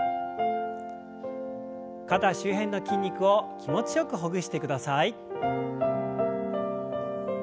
肩周辺の筋肉を気持ちよくほぐしてください。